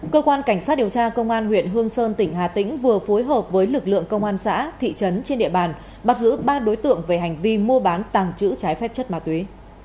cơ quan cảnh sát điều tra công an huyện hương sơn tỉnh hà tĩnh vừa phối hợp với lực lượng công an xã thị trấn trên địa bàn bắt giữ ba đối tượng về hành vi mua bán tàng trữ trái phép chất ma túy